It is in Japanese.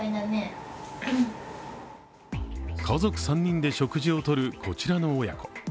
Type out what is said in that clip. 家族３人で食事を取るこちらの親子。